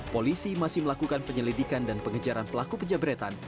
polisi masih melakukan penyelidikan dan pengejaran pelaku penjabretan